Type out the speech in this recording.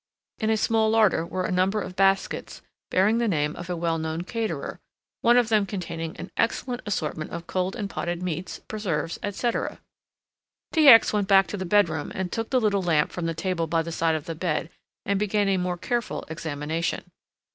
In a small larder were a number of baskets, bearing the name of a well known caterer, one of them containing an excellent assortment of cold and potted meats, preserves, etc. T. X. went back to the bedroom and took the little lamp from the table by the side of the bed and began a more careful examination.